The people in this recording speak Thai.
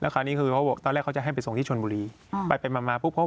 ตอนนี้คือตัวเล็กเขาจะให้ไปส่งที่ชนบุรีไปไปมามาพูดเพราะ